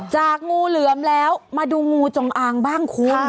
งูเหลือมแล้วมาดูงูจงอางบ้างคุณ